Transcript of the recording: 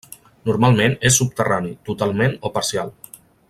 Normalment és subterrani, totalment o parcial.